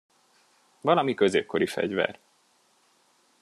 Valami középkori fegyver.